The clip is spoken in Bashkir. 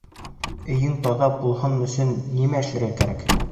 Өйөң таҙа булһын өсөн нимә эшләргә кәрәк?